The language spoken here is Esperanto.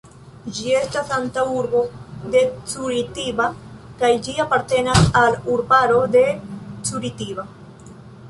Ĝi estas antaŭurbo de Curitiba kaj ĝi apartenas al urbaro de Curitiba.